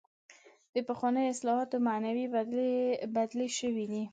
د پخوانیو اصطلاحاتو معناوې بدلې شوې دي.